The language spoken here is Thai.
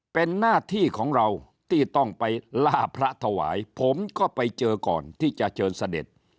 เป็นหน้าที่ของเราที่ต้องไปล่าพระถวายผมก็ไปเจอก่อนที่จะเชิญเสด็จ